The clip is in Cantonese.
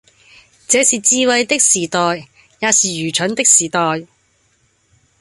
這是智慧的時代，也是愚蠢的時代，